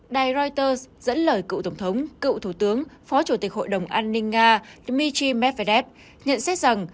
đài reuters dẫn lời cựu tổng thống cựu thủ tướng phó chủ tịch hội đồng an ninh nga dmitry medvedev nhận xét rằng